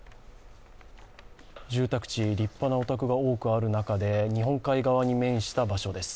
住宅地、立派なお宅が多くある中で海沿いに面した場所です。